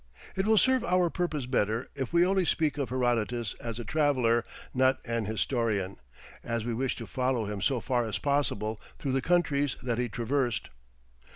It will serve our purpose better if we only speak of Herodotus as a traveller, not an historian, as we wish to follow him so far as possible through the countries that he traversed.